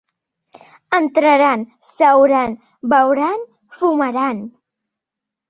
Entraran seuran beuran fumaran.